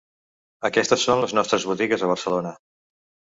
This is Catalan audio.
Aquestes són les nostres botigues a Barcelona:.